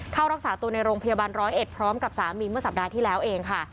เข้ารักษาตัวในโรงพยาบาลร้อยเอ็ดพร้อมกับสามีเมื่อสัปดาห์ที่แล้วเองค่ะ